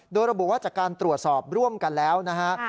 โดยระบุว่าจากการตรวจสอบร่วมกันแล้วนะฮะ